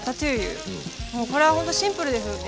これはほんとシンプルですよね。